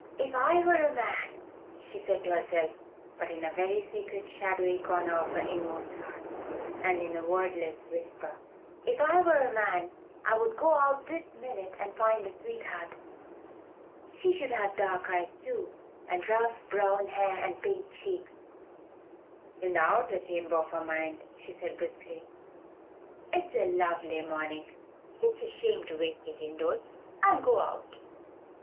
"If I were a man," she said to herself, but in a very secret shadowy corner of her inmost heart, and in a wordless whisper, "if I were a man, I would go out this minute and find a sweetheart. She should have dark eyes, too, and rough brown hair, and pink cheeks." In the outer chamber of her mind she said briskly "It's a lovely morning. It's a shame to waste it indoors. I'll go out."